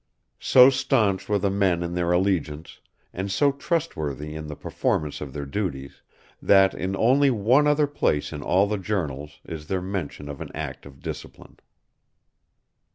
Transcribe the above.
So stanch were the men in their allegiance, and so trustworthy in the performance of their duties, that in only one other place in all the journals is there mention of an act of discipline.